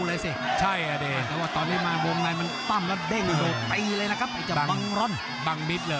เดินต้องพยายามต่อครับ